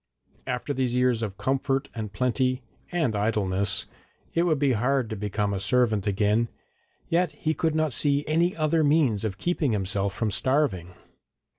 After these years of comfort and plenty and idleness it would be hard to become a servant again, yet he could not see any other means of keeping himself from starving.